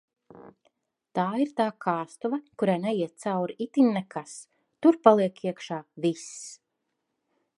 Tā ir tā kāstuve, kurai neiet cauri itin nekas, tur paliek iekšā viss.